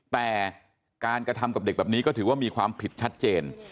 แต่การกระทำกับเด็กแบบนี้ก็ถือว่ามีความผิดชัดเจน